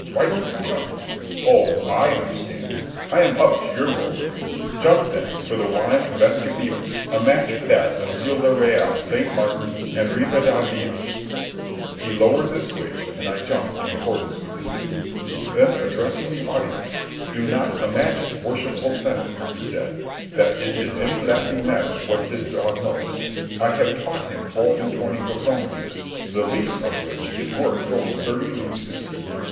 Why don't you jump? Oh! I understand! I am up to your roguery! Jump, then, for the wine of Esquivias, a match for that of Ciudad Real, St. Martin, and Rivadavia." He lowered the switch, and I jumped in accordance with the signal. Then, addressing the audience, "Do not imagine, worshipful senate," he said, "that it is any laughing matter what this dog knows. I have taught him four and twenty performances, the least of which is worth going thirty leagues to see.